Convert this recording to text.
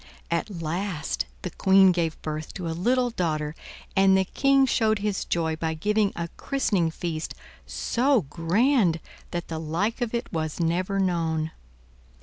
At last the Queen gave birth to a little daughter and the King showed his joy by giving a christening feast so grand that the like of it was never known.